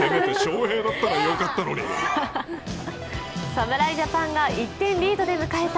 侍ジャパンが１点リードで迎えた